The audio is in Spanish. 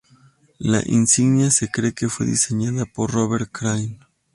La insignia se cree que fue diseñada por Robert Craig.